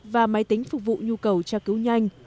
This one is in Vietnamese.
và máy tính phục vụ nhu cầu tra cứu nhanh